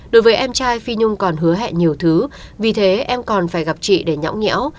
đối với em trai phi nhung còn hứa hẹn nhiều thứ vì thế em còn phải gặp chị để nhõng nhẽo